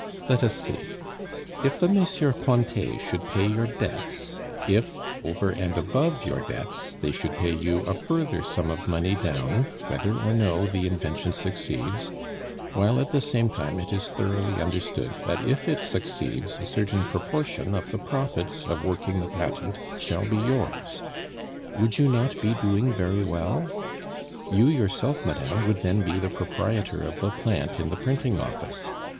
Let us see! If the MM. Cointet should pay your debts if, over and above your debts, they should pay you a further sum of money down, whether or no the invention succeeds; while at the same time it is thoroughly understood that if it succeeds a certain proportion of the profits of working the patent shall be yours, would you not be doing very well? You yourself, madame, would then be the proprietor of the plant in the printing office.